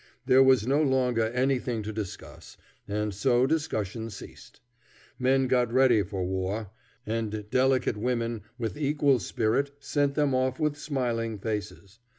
There was no longer anything to discuss, and so discussion ceased. Men got ready for war, and delicate women with equal spirit sent them off with smiling faces.